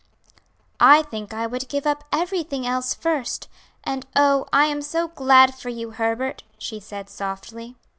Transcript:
"I think I would give up everything else first; and oh, I am so glad for you, Herbert," she said softly.